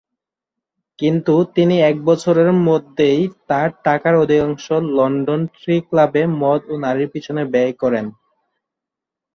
কিন্তু তিনি এক বছরের মধ্যেই তার টাকার অধিকাংশই লন্ডন ট্রি ক্লাবে মদ ও নারীর পিছনে ব্যয় করেন।